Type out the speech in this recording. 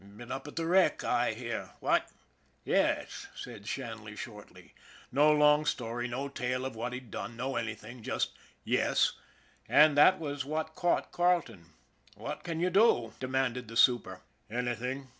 " Been up at the wreck, I hear what ?" "Yes," said Shanley shortly. No long story, no tale of what he'd done, no anything just " Yes," and that was what caught Carleton. " What can you do? " demanded the super. " Anything.